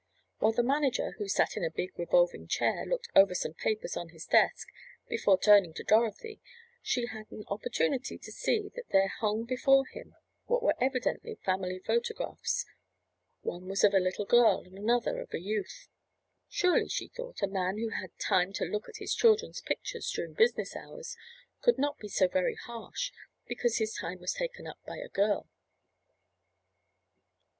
While the manager, who sat in a big revolving chair, looked over some papers on his desk before turning to Dorothy, she had an opportunity to see that there hung before him what were evidently family photographs. One was of a little girl and another of a youth. Surely, she thought, a man who had time to look at his children's pictures during business hours could not be so very harsh because his time was taken up by a girl.